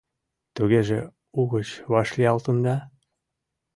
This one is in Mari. Тугеже угыч вашлиялтында?